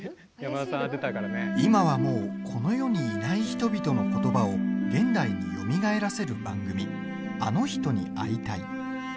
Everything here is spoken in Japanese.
今はもうこの世にいない人々のことばを現代によみがえらせる番組「あの人に会いたい」。